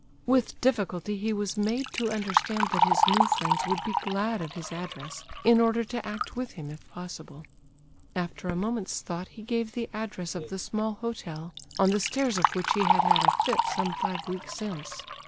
With difficulty he was made to understand that his new friends would be glad of his address, in order to act with him if possible. After a moment's thought he gave the address of the small hotel, on the stairs of which he had had a fit some five weeks since.